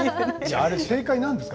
あれが正解なんですか？